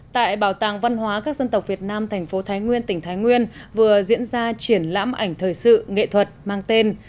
tại bảo tàng văn hóa các dân tộc việt nam thành phố thái nguyên tỉnh thái nguyên vừa diễn ra triển lãm ảnh thời sự nghệ thuật mang tên